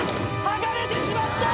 剥がれてしまった！